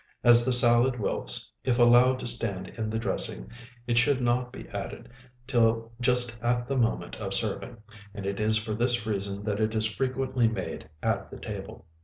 As the salad wilts if allowed to stand in the dressing, it should not be added till just at the moment of serving, and it is for this reason that it is frequently made at the table.